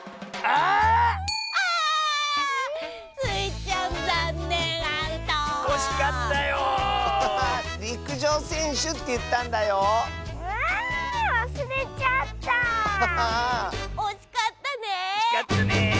おしかったね。